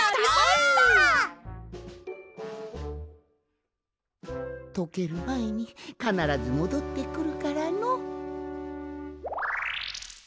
やりました！とけるまえにかならずもどってくるからの。